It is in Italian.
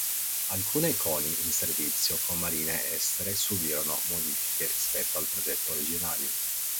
Alcune Koni in servizio con marine estere subirono modifiche rispetto al progetto originario.